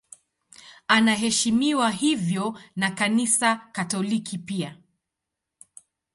Anaheshimiwa hivyo na Kanisa Katoliki pia.